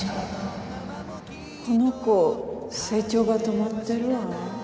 この子成長が止まってるわ。